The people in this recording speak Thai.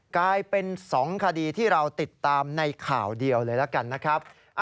กลายเป็น๒คดีที่เราติดตามในข่าวเดียวเลยละกันนะครับ